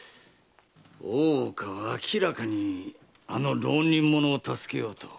大岡は明らかにあの浪人者を助けようと。